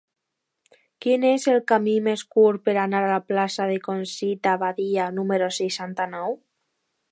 Quin és el camí més curt per anar a la plaça de Conxita Badia número seixanta-nou?